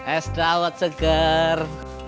es dawat segar